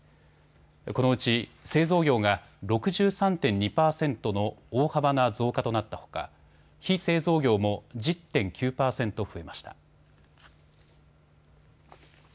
このうち製造業が６３．２％の大幅な増加となったほか非製造業も１０．９％増えました。